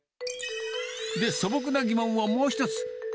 で、素朴な疑問をもう一つ。